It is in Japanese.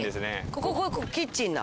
ここキッチンだ。